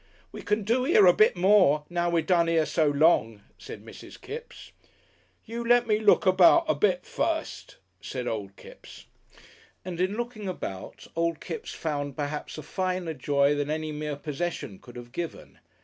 "We can do here a bit more, now we done here so long," said Mrs. Kipps. "You lemme look about a bit fust," said old Kipps. And in looking about old Kipps found perhaps a finer joy than any mere possession could have given.